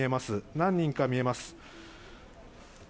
何人か見えます。